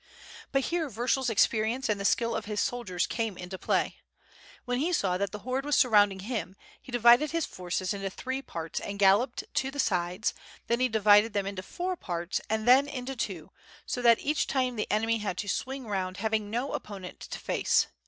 But here Vyershul's ex perience and the skill of his soldiers came into play. When he saw that the horde was surrounding him he divided his forces into three parts and galloped to the sides, then he divided them into four parts and then into two; so that each time the enemy had to swing round having no oppo nent to face.